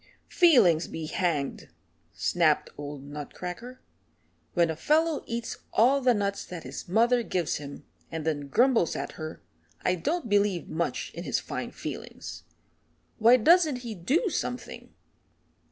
"Feelings be hanged," snapped old Nutcracker. "When a fellow eats all the nuts that his mother gives him, and then grumbles at her, I don't believe much in his fine feelings. Why doesn't he do something?